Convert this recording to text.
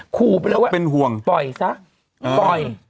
ขู่ไปเลยว่าปล่อยซะปล่อย